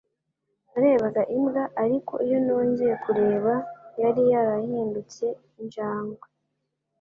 Narebaga imbwa. Ariko, iyo nongeye kureba, yari yarahindutse injangwe.